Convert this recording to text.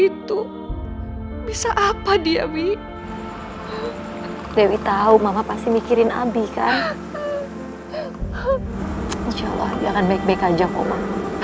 itu bisa apa diawi dewi tahu mama pasti mikirin abi kan insya allah jangan baik baik aja koma